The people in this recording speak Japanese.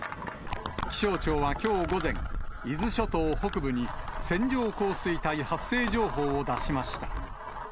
気象庁はきょう午前、伊豆諸島北部に線状降水帯発生情報を出しました。